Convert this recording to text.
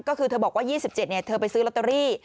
ก็คือเธอบอกว่า๒๗เธอไปซื้อลอตเตอรี่